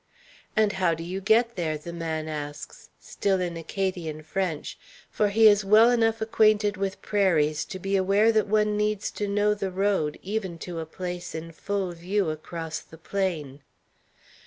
"And how do you get there?" the man asks, still in Acadian French; for he is well enough acquainted with prairies to be aware that one needs to know the road even to a place in full view across the plain.